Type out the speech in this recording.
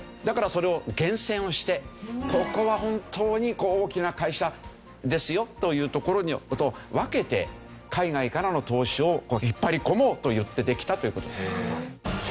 だからそれを厳選をしてここは本当に大きな会社ですよというところと分けて海外からの投資を引っ張り込もうといってできたという事。